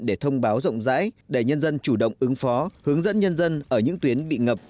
để thông báo rộng rãi để nhân dân chủ động ứng phó hướng dẫn nhân dân ở những tuyến bị ngập